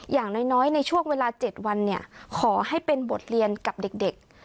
อย่างน้อยน้อยในช่วงเวลาเจ็ดวันเนี้ยขอให้เป็นบทเรียนกับเด็กเด็ก